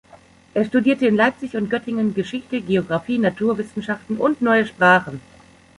Er studierte in Leipzig und Göttingen Geschichte, Geographie, Naturwissenschaften und neue Sprachen.